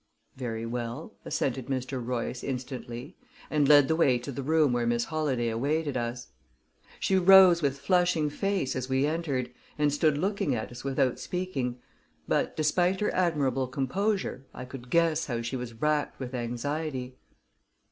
"Very well," assented Mr. Royce instantly, and led the way to the room where Miss Holladay awaited us. She rose with flushing face as we entered, and stood looking at us without speaking; but, despite her admirable composure, I could guess how she was racked with anxiety.